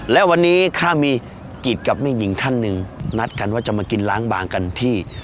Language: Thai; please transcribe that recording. และวันนี้ถ้ามีกิจกับแม่หญิงท่านหนึ่งนัดกันว่าจะมากินล้างบางกันที่